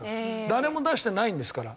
誰も出してないんですから。